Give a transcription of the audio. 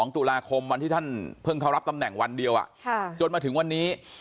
๒ตุลาคมวันที่ท่านเพิ่งเข้ารับตำแหน่งวันเดียวจนมาถึงวันนี้